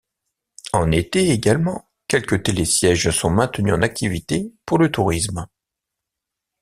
En été également, quelques télésièges sont maintenus en activité pour le tourisme.